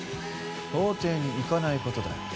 法廷に行かないことだよ。